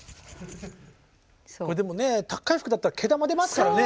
でもね高い服だったら毛玉出ますからね。